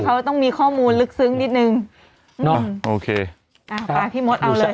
เขาต้องมีข้อมูลลึกซึ้งนิดนึงเนอะโอเคอ่าพาพี่มดเอาเลย